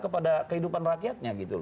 kepada kehidupan rakyatnya gitu